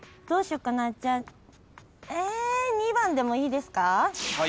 どうしよっかなじゃあえ２番でもいいですか？